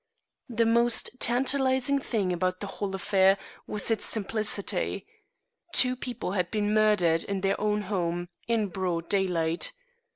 The most tantalizing thing about the whole affair was its simplicity. Two people had been murdered in their own home in broad daylight.